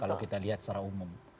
kalau kita lihat secara umum